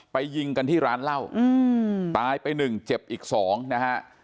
ยิงกันที่ร้านเหล้าตายไปหนึ่งเจ็บอีกสองนะฮะ